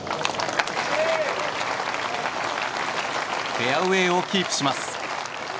フェアウェーをキープします。